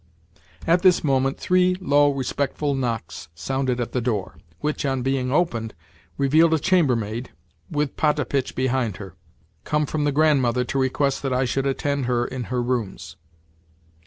At this moment three low, respectful knocks sounded at the door; which, on being opened, revealed a chambermaid, with Potapitch behind her—come from the Grandmother to request that I should attend her in her rooms.